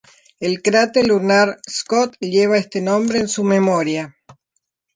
El cráter lunar Scott lleva este nombre en su memoria.